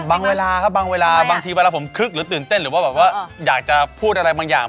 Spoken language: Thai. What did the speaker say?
เวลาครับบางเวลาบางทีเวลาผมคึกหรือตื่นเต้นหรือว่าแบบว่าอยากจะพูดอะไรบางอย่าง